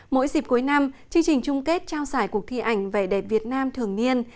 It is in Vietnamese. mỗi dịp cuối năm chương trình chung kết trao giải cuộc thi ảnh vẻ đẹp việt nam thường niên